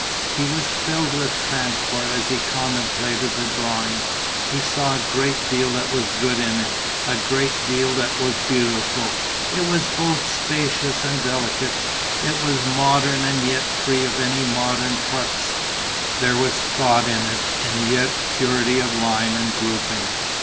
He was filled with transport as he contemplated the drawing: he saw a great deal that was good in it, a great deal that was beautiful. It was both spacious and delicate; it was modern and yet free of any modern trucs; there was thought in it and yet purity of line and grouping.